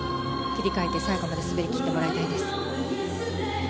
切り替えて最後まで滑り切ってもらいたいです。